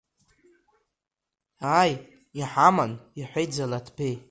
Ааи, иҳаман, — иҳәеит, Залаҭбеи.